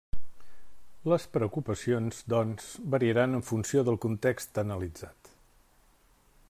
Les preocupacions, doncs, variaran en funció del context analitzat.